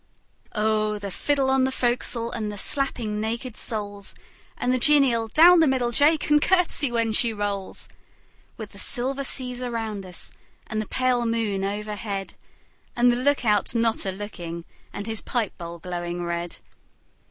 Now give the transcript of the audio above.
O! the fiddle on the fo'c's'le, and the slapping naked soles, And the genial ' Down the middle Jake, and curtsey when she rolls! ' A BALLAD OF JOHN SILVER 73 With the silver seas around us and the pale moon overhead, And .the look out not a looking and his pipe bowl glowing red.